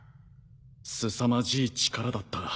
すさまじい力だった。